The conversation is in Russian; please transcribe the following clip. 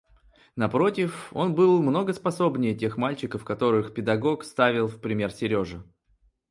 Напротив, он был много способнее тех мальчиков, которых педагог ставил в пример Сереже.